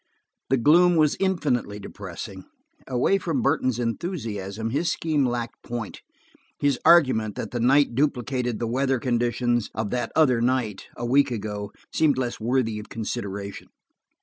The gloom was infinitely depressing; away from Burton's enthusiasm, his scheme lacked point; his argument, that the night duplicated the weather conditions of that other night, a week ago, seemed less worthy of consideration.